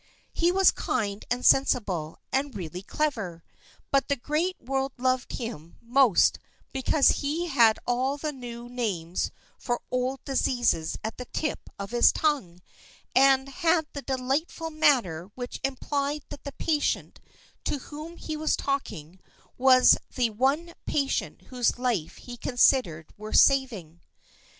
He was kind and sensible, and really clever; but the great world loved him most because he had all the new names for old diseases at the tip of his tongue, and had the delightful manner which implied that the patient to whom he was talking was the one patient whose life he considered worth saving.